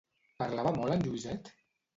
Parlava molt en Lluiset?